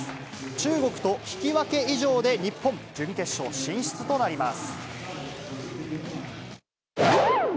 中国と引き分け以上で、日本、準決勝進出となります。